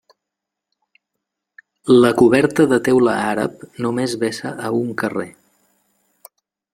La coberta de teula àrab només vessa a un carrer.